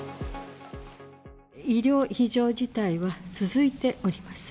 医療非常事態は続いております。